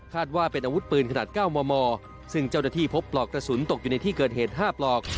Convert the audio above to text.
ว่าเป็นอาวุธปืนขนาด๙มมซึ่งเจ้าหน้าที่พบปลอกกระสุนตกอยู่ในที่เกิดเหตุ๕ปลอก